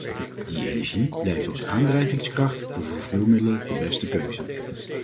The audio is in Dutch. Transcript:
Die energie blijft als aandrijvingskracht voor vervoermiddelen de beste keuze.